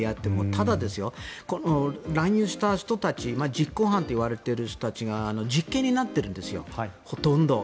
ただ、乱入した人たち実行犯といわれている人たちが実刑になっているんですよほとんど。